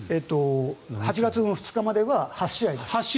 ８月２日までは８試合。